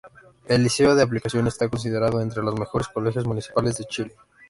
El Liceo de Aplicación está considerado entre los mejores colegios municipales de Chile.